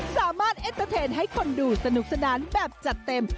สามารถเอ็ตเตอร์เทนให้คนดูสนุกสนานแบบจะเต็ม